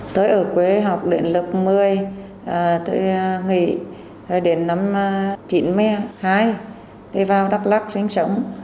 tới ở quê học luyện lập một mươi tôi nghỉ rồi đến năm chín mươi hai đi vào đắk lắc sinh sống